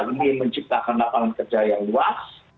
ini menciptakan lapangan kerja yang luas